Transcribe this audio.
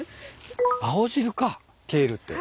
青汁かケールって。